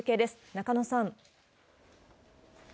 中野さん。